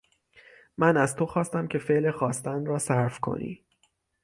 من از تو خواستم که فعل خواستن را صرف کنی